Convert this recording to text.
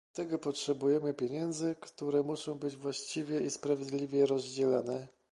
Do tego potrzebujemy pieniędzy, które muszą być właściwie i sprawiedliwie rozdzielane